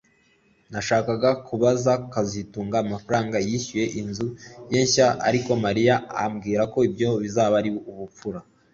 Nashakaga kubaza kazitunga amafaranga yishyuye inzu ye nshya ariko Mariya ambwira ko ibyo bizaba ari ubupfura